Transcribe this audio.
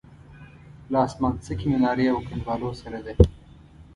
له اسمانڅکې منارې او کنډوالو سره ده.